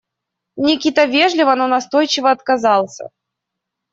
Никита вежливо, но настойчиво отказался.